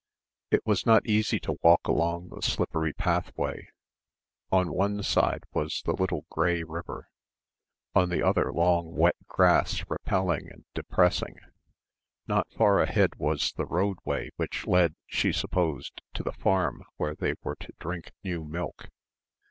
It was not easy to walk along the slippery pathway. On one side was the little grey river, on the other long wet grass repelling and depressing. Not far ahead was the roadway which led, she supposed to the farm where they were to drink new milk.